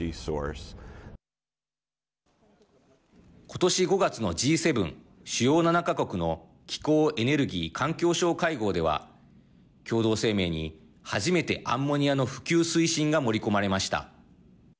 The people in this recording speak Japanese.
今年５月のＧ７＝主要７か国の気候・エネルギー・環境相会合では共同声明に初めてアンモニアの普及推進が盛り込まれました。